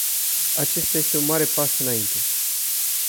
Acesta este un mare pas înainte.